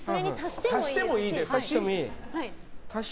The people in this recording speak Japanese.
足してもいいですし。